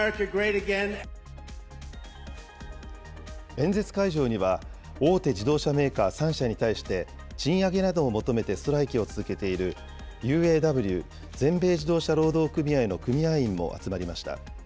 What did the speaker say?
演説会場には大手自動車メーカー３社に対して、賃上げなどを求めてストライキを続けているＵＡＷ・全米自動車労働組合の組合員も集まりました。